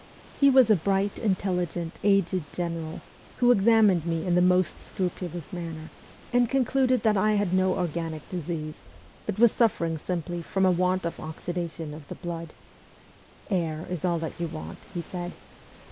He was a bright, intelli gent, aged general, who examined me in the most scrupulous manner, and concluded that I had no organic disease, but was suffering simply from a want of oxidation of the blood. ' Air is all that you want,' he said.